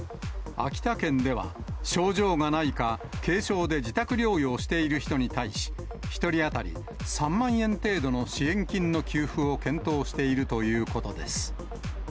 秋田県では、症状がないか軽症で自宅療養している人に対し、１人当たり３万円程度の支援金の給付を検討しているということです。